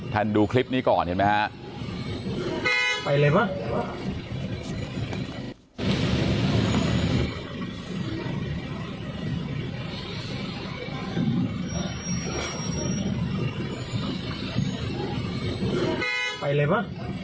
ท่านดูคลิปนี้ก่อนเห็นไหมฮะ